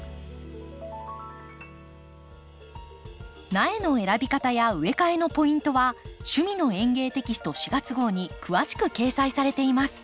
苗の選び方や植え替えのポイントは「趣味の園芸」テキスト４月号に詳しく掲載されています。